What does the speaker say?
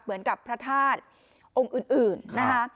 เหมือนกับพระธาตุองค์อื่นนะคะ